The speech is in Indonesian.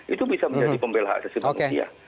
itu bisa menjadi pembelahan sisi manusia